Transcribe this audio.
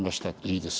いいです。